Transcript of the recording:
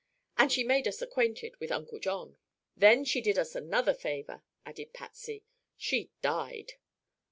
And she made us acquainted with Uncle John." "Then she did us another favor," added Patsy. "She died."